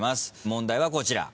問題はこちら。